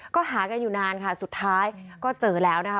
ก็หากันอยู่นานค่ะสุดท้ายก็เจอแล้วนะคะ